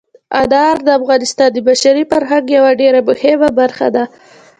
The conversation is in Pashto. انار د افغانستان د بشري فرهنګ یوه ډېره مهمه برخه ده.